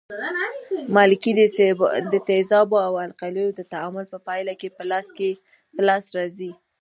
مالګې د تیزابو او القلیو د تعامل په پایله کې په لاس راځي.